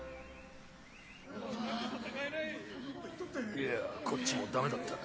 いやぁこっちもダメだった。